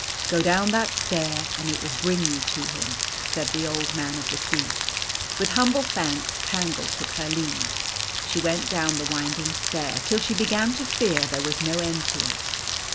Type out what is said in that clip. " Go down that stair, and it will bring you to him," said the Old Man of the Sea. With humble thanks Tangle took her leave. She O went down the winding stair, till she began to fear there was no end to it.